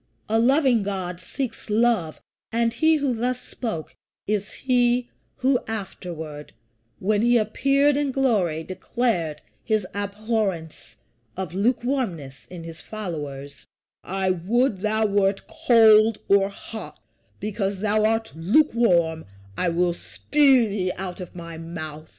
A loving God seeks love; and he who thus spoke is he who afterward, when he appeared in glory, declared his abhorrence of lukewarmness in his followers: "I would thou wert cold or hot; because thou art lukewarm I will spue thee out of my mouth."